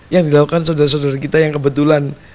yang dilakukan saudara saudara kita yang kebetulan